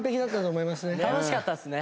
楽しかったですね。